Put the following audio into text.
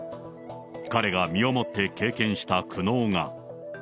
彼が身をもって経験した苦悩が。